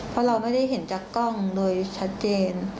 เพราะเราไม่ได้เห็นจากกล้องโดยชัดเจน